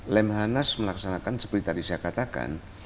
lemhanas melaksanakan seperti tadi saya katakan